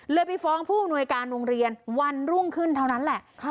ไปฟ้องผู้อำนวยการโรงเรียนวันรุ่งขึ้นเท่านั้นแหละ